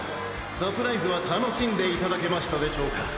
サプライズは楽しんでいただけましたでしょうか？